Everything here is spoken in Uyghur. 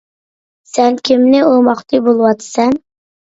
سەن كىمنى ئۇرماقچى بولۇۋاتىسەن؟